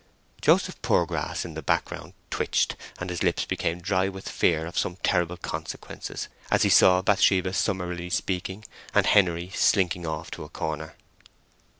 Joseph Poorgrass, in the background twitched, and his lips became dry with fear of some terrible consequences, as he saw Bathsheba summarily speaking, and Henery slinking off to a corner.